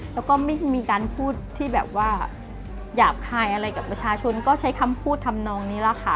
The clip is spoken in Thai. แล้วก็ไม่มีการพูดที่แบบว่าหยาบคายอะไรกับประชาชนก็ใช้คำพูดทำนองนี้แหละค่ะ